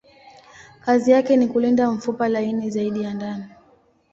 Kazi yake ni kulinda mfupa laini zaidi ya ndani.